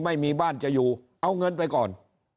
ไม่มีบ้านจะอยู่เอาเงินไปก่อน